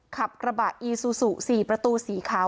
ขับกระบะอีซูซู๔ประตูสีขาว